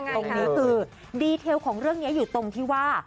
ตรงนี้คือดีเทลของเรื่องนี้อยู่ตรงที่ว่า